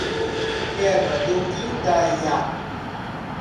Pedra do Indaiá